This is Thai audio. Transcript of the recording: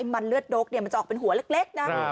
มันเลือดนกมันจะออกเป็นหัวเล็กนะ